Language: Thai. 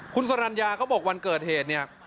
คุณสรันยาก็บอกวันเกิดเหตุนี่